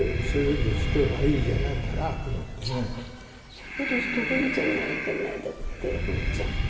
「しゃべる人がいいじゃないかな」だって。